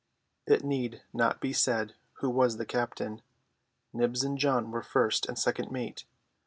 It need not be said who was the captain. Nibs and John were first and second mate.